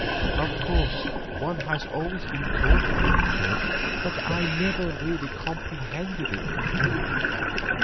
Of course one has always been taught that in church, but I never really comprehended it before.